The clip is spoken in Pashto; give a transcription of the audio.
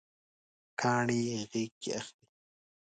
کاڼي یې غیږکې اخلي